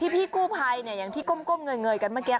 พี่กู้ภัยอย่างที่ก้มเงยกันเมื่อกี้